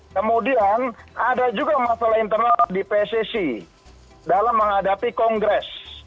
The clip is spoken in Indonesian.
kemudian ada juga masalah internal di pssi dalam menghadapi kongres